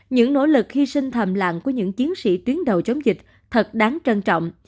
những nỗ lực hy sinh thầm lặng của những chiến sĩ tuyến đầu chống dịch thật đáng trân trọng